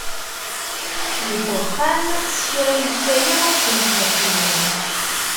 Deg uxxam s kra yekka yiḍ ur tent-yeqqin.